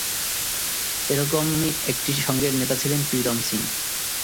এরকমই একটি সংঘের নেতা ছিলেন প্রীতম সিং।